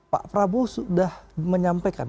pak prabowo sudah menyampaikan